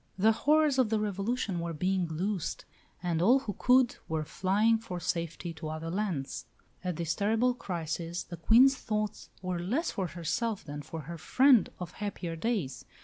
The horrors of the Revolution were being loosed, and all who could were flying for safety to other lands. At this terrible crisis the Queen's thoughts were less for herself than for her friend of happier days.